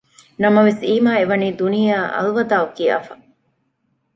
ނަމަވެސް އީމާ އެވަނީ ދުނިޔެއާ އަލްވަދާޢު ކިޔާފަ